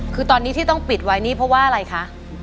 คือตอนนี้ที่ต้องปิดไว้นี่เพราะว่าอะไรคะ